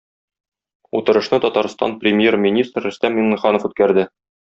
Утырышны Татарстан Премьер-министры Рөстәм Миңнеханов үткәрде.